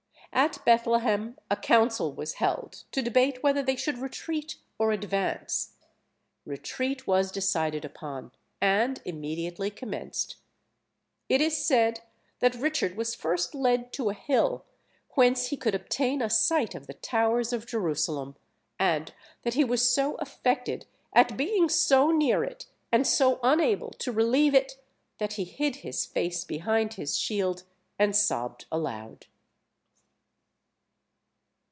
At Bethlehem a council was held, to debate whether they should retreat or advance. Retreat was decided upon, and immediately commenced. It is said, that Richard was first led to a hill, whence he could obtain a sight of the towers of Jerusalem, and that he was so affected at being so near it, and so unable to relieve it, that he hid his face behind his shield, and sobbed aloud.